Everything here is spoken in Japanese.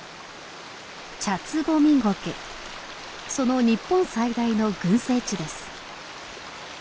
その日本最大の群生地です。